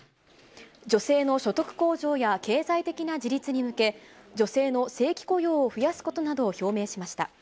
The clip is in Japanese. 女性の所得向上や経済的な自立に向け、女性の正規雇用を増やすことなどを表明しました。